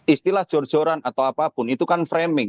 istilah jorjoran atau apapun itu kan framing